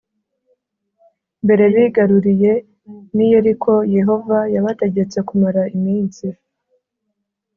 Mbere bigaruriye ni yeriko yehova yabategetse kumara iminsi